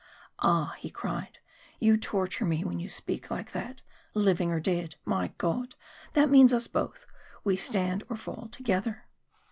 "Ah!" he cried, "you torture me when you speak like that. 'Living or dead.' My God! that means us both we stand or fall together."